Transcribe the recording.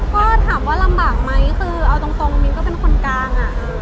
ก็ถามว่าลำบากไหมคือเอาตรงมิ้นก็เป็นคนกลางอ่ะ